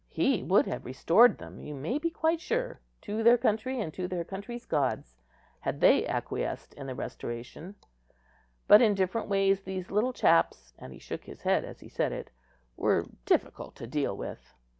He would have restored them, you may be quite sure, to their country and to their country's gods, had they acquiesced in the restoration: but in different ways these little chaps, and he shook his head as he said it, were difficult to deal with.